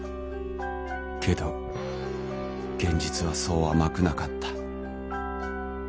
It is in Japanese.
けど現実はそう甘くなかった。